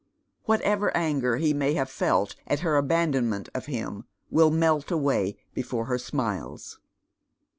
Whatever anger he may have felt at her abandonment of him will melt away before her emiles.